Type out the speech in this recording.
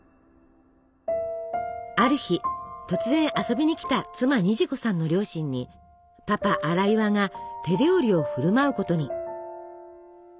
ある日突然遊びにきた妻虹子さんの両親にパパ荒岩が手料理を振る舞うことに。